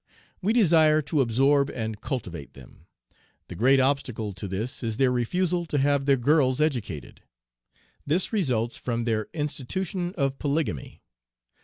We desire to absorb and cultivate them. The great obstacle to this is their refusal to have their girls educated. This results from their institution of polygamy.